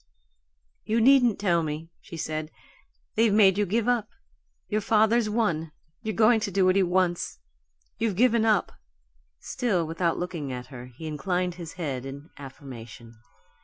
"You needn't tell me," she said. "They've made you give up. Your father's won you're going to do what he wants. You've given up." Still without looking at her, he inclined his head in affirmation.